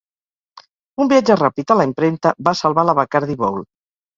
Un viatge ràpid a la impremta va salvar la Bacardi Bowl.